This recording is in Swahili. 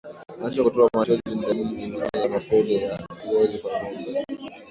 Macho kutoa machozi ni dalili nyingine ya mapele ya ngozi kwa ngombe